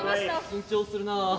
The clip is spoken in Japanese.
緊張するなあ。